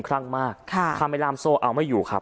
พระเจ้าอาวาสกันหน่อยนะครับ